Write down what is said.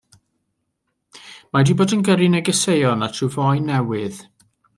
Mae hi 'di bod yn gyrru negeseuon at ryw foi newydd.